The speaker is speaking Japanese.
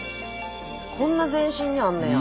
こんな全身にあんねや。